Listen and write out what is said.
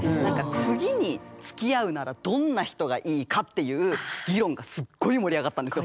次につきあうならどんな人がいいかっていう議論がすっごい盛り上がったんですよ。